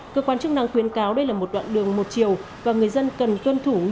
cơ quan chức năng khuyến cáo đây là một đoạn đường một chiều